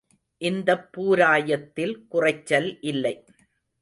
இந்தப் பூராயத்தில் குறைச்சல் இல்லை.